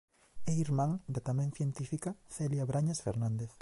É irmán da tamén científica Celia Brañas Fernández.